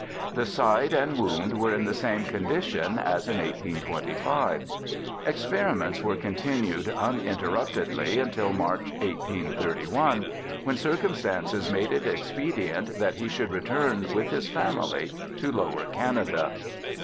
The side and wound were in the same condition as in 1825. Experiments were continued uninterruptedly until March, 1831, when circumstances made it expedient that he should return with his family to lower Canada.